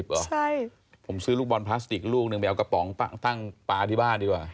เหรอใช่ผมซื้อลูกบอลพลาสติกลูกหนึ่งไปเอากระป๋องตั้งปลาที่บ้านดีกว่า